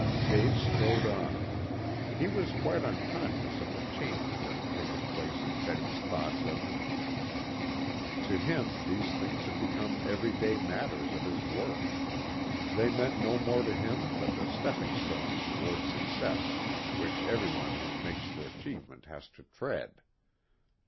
Dave strode on. He was quite unconscious of the change that had taken place in Betty's thoughts of him. To him these things had become every day matters of his work. They meant no more to him than the stepping stones toward success which every one who makes for achievement has to tread.